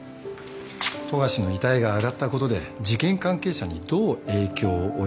富樫の遺体があがったことで事件関係者にどう影響を及ぼすのか。